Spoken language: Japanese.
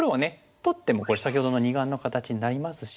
取ってもこれ先ほどの二眼の形になりますし。